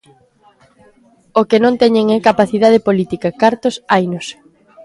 O que non teñen é capacidade política; cartos, hainos.